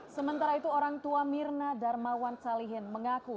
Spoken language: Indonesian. sementara itu orang tua mirna darmawan salihin mengaku